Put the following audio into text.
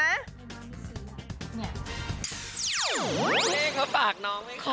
เฮ้เขาปากน้องให้ขอ